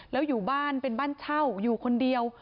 แล้วอยู่บ้านเป็นบ้านเช่าอยู่คนเดียว